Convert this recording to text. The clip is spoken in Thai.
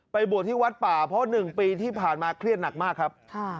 บวชที่วัดป่าเพราะ๑ปีที่ผ่านมาเครียดหนักมากครับ